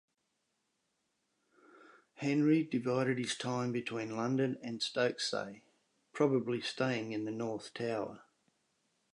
Henry divided his time between London and Stokesay, probably staying in the north tower.